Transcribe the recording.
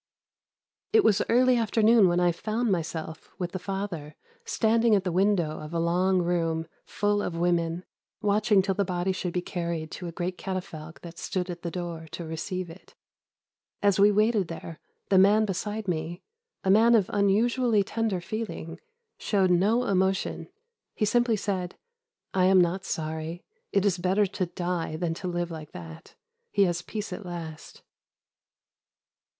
"It was early afternoon when I found myself, with the father, standing at the window of a long room, full of women, watching till the body should be carried to a great catafalque that stood at the door to receive it. As we waited there, the man beside me, a man of unusually tender feeling, showed no emotion. He simply said, 'I am not sorry; it is better to die than to live like that; he has peace at last.